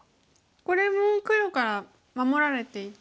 これも黒から守られていて。